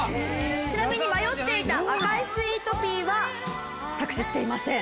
ちなみに迷っていた『赤いスイートピー』は作詞していません。